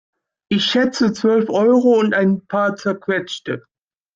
Ich schätze zwölf Euro und ein paar Zerquetschte.